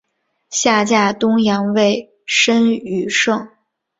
下嫁东阳尉申翊圣。